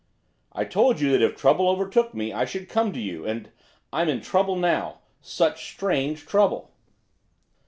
'I told you that if trouble overtook me I should come to you, and I'm in trouble now. Such strange trouble.